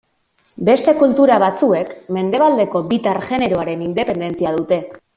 Beste kultura batzuek mendebaldeko bitar generoaren independentzia dute.